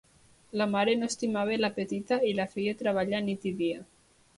La mare no estimava la petita i la feia treballar nit i dia.